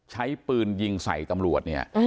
ที่จังหวะใช้ปืนยิงใส่ตำรวจเนี่ย